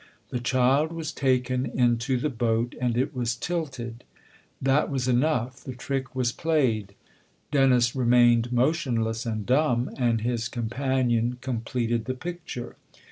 "The child was taken into the boat and it was tilted : that was enough the trick was played." Dennis remained motionless and dumb, and his companion completed the picture.